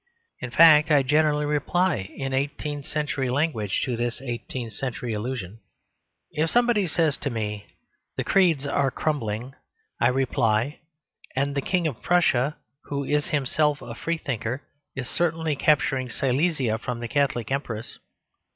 In fact, I generally reply in eighteenth century language to this eighteenth century illusion. If somebody says to me, "The creeds are crumbling," I reply, "And the King of Prussia, who is himself a Freethinker, is certainly capturing Silesia from the Catholic Empress."